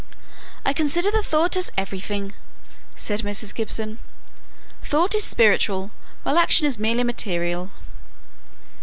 "I consider the thought as everything," said Mrs. Gibson. "Thought is spiritual, while action is merely material."